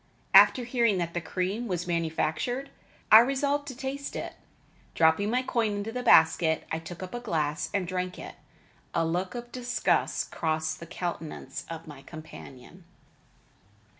After hearing that the cream was manufactured, I resolved to taste it. Dropping my coin into the basket, I took up a glass and drank it. A look of disgust crossed the countenance of my companion.